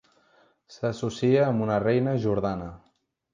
S'associa amb una reina jordana.